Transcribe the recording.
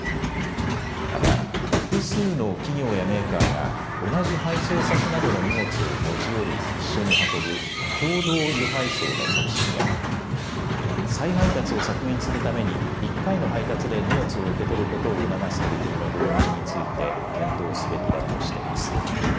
また複数の企業やメーカーが同じ配送先などの荷物を持ち寄り一緒に運ぶ共同輸配送の促進や再配達を削減するために１回の配達で荷物を受け取ることを促す取り組みの導入について検討すべきだとしています。